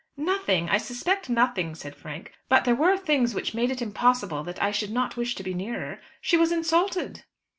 "Nothing I suspect nothing," said Frank. "But there were things which made it impossible that I should not wish to be nearer. She was insulted."